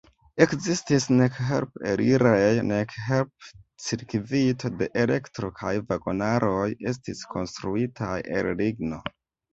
Ekzistis nek help-elirejo, nek help-cirkvito de elektro kaj vagonaroj estis konstruitaj el ligno.